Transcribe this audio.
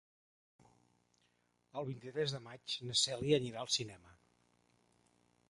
El vint-i-tres de maig na Cèlia anirà al cinema.